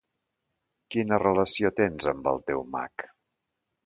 Quina relació tens amb el teu mag?